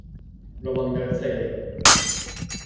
ระวังเดินเซ